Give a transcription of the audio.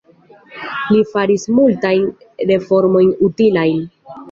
Li faris multajn reformojn utilajn.